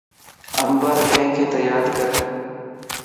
عمبر ڪينک تي ياد ڪري؟